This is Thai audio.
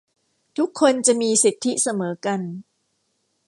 ทุกคนจะมีสิทธิเสมอกัน